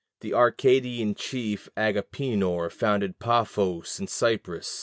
The Arcadian chief Agapenor founded Paphos in Cyprus.